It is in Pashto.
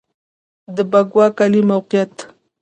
د بکوا کلی موقعیت